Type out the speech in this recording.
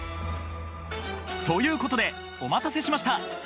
ということでお待たせしました！